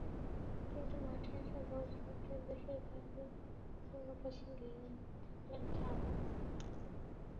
কিন্তু মাঠে আসা দর্শকদের বেশির ভাগই অন্য পাশে ঘিরে থাকলেন শাবনাজকে।